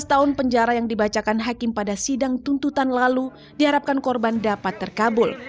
tujuh belas tahun penjara yang dibacakan hakim pada sidang tuntutan lalu diharapkan korban dapat terkabul